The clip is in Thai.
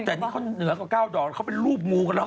แต่ที่คนเหนือกว่า๙ดอกเขาเป็นรูปงูกันแล้วค่ะ